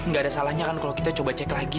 nggak ada salahnya kan kalau kita coba cek lagi